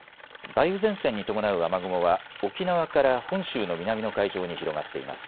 梅雨前線に伴う雨雲は沖縄から本州の南の海上に広がっています。